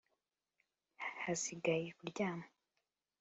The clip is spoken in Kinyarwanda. hasigaye kuryama